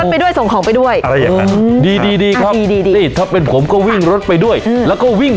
สร้างอาชีพสร้างไรได้